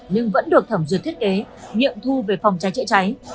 nhưng vẫn được thẩm duyệt thiết kế nghiệm thu về phòng cháy chữa cháy